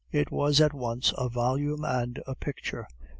It was at once a volume and a picture.